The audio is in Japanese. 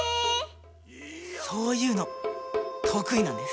そういうのとくいなんです。